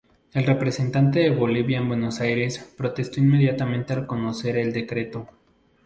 El representante de Bolivia en Buenos Aires protestó inmediatamente al conocer el decreto.